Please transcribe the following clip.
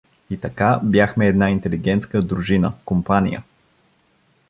И така, бяхме една интелигентска дружина, компания.